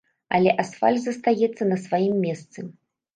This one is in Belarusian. Але асфальт застаецца на сваім месцы.